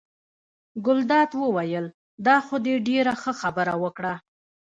ګلداد وویل: دا خو دې ډېره ښه خبره وکړه.